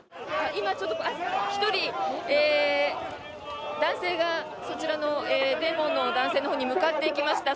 １人、男性がそちらのデモの男性のほうに向かっていきました。